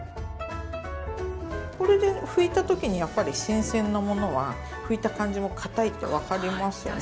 これで拭いたときにやっぱり新鮮なものは拭いた感じも堅いって分かりますよね。